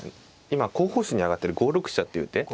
今候補手に挙がってる５六飛車っていう手